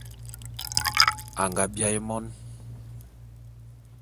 Anga biaé mon.